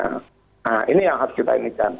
nah ini yang harus kita inginkan